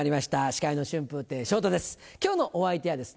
司会の春風亭昇太です